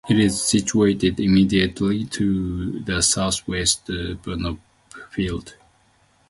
It is situated immediately to the south-west of Burnopfield.